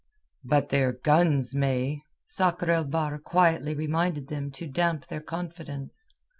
"But their guns may," Sakr el Bahr quietly reminded them to damp their confidence.